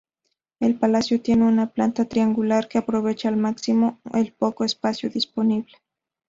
El palacio tiene una planta triangular, que aprovecha al máximo el poco espacio disponible.